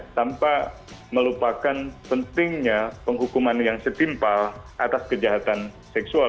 tanpa melupakan pentingnya penghukuman yang setimpal atas kejahatan seksual